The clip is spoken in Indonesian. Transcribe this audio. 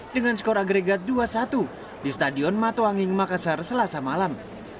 dengan skor agregat dua satu di stadion matoanging makassar selasa malam